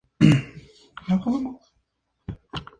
Afirmaban que lo observable es gracias al sistema conceptual.